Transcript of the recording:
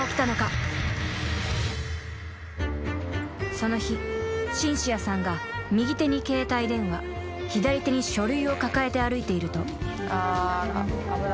［その日シンシアさんが右手に携帯電話左手に書類を抱えて歩いていると］